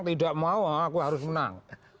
tidak mau aku harus menang